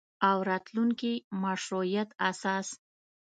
او راتلونکي مشروعیت اساس